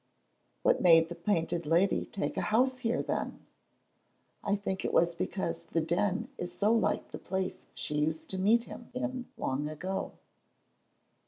"What made the Painted Lady take a house here, then?" "I think it was because the Den is so like the place she used to meet him in long ago."